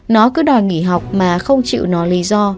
nó cứ đòi nghỉ học mà không chịu nó lý do